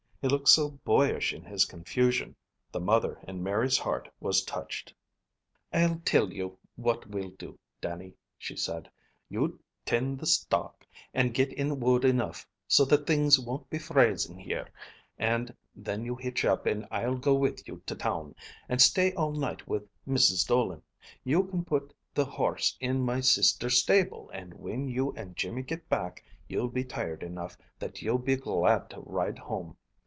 He looked so boyish in his confusion, the mother in Mary's heart was touched. "I'll till you what we'll do, Dannie," she said. "You tind the stock, and get in wood enough so that things won't be frazin' here; and then you hitch up and I'll go with you to town, and stay all night with Mrs. Dolan. You can put the horse in my sister's stable, and whin you and Jimmy get back, you'll be tired enough that you'll be glad to ride home.